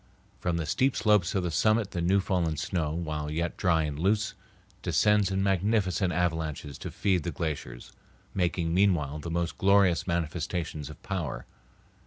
From the steep slopes of the summit the new fallen snow, while yet dry and loose, descends in magnificent avalanches to feed the glaciers, making meanwhile the most glorious manifestations of power.